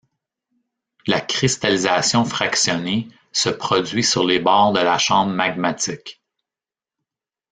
La cristallisation fractionnée se produit sur les bords de la chambre magmatique.